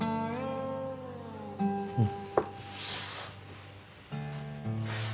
うん。